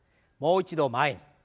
もう一度前に。